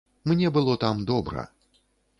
Мне было там добра.